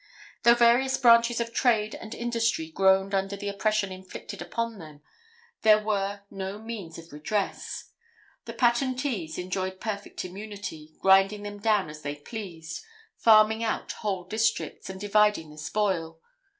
Though various branches of trade and industry groaned under the oppression inflicted upon them, there were no means of redress. The patentees enjoyed perfect immunity, grinding them down as they pleased, farming out whole districts, and dividing the spoil.